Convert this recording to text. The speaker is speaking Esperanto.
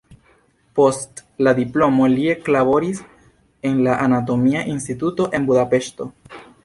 Post la diplomo li eklaboris en la anatomia instituto en Budapeŝto.